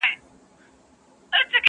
څارنوال د ځان په جُرم نه پوهېږي,